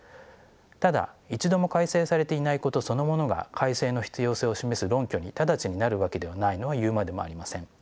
ただ一度も改正されていないことそのものが改正の必要性を示す論拠に直ちになるわけではないのは言うまでもありません。